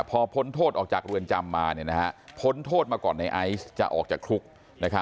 พอพ้นโทษออกจากเรือนจำมาเนี้ยนะฮะพ้นโทษมาก่อนในไอซ์จะออกจากคลุกนะครับ